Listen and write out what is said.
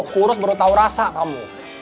kurus baru tahu rasa kamu